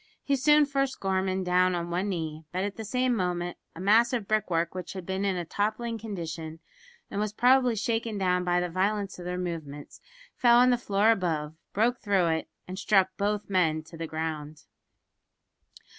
He soon forced Gorman down on one knee; but at the same moment a mass of brickwork which had been in a toppling condition, and was probably shaken down by the violence of their movements, fell on the floor above, broke through it, and struck both men to the ground.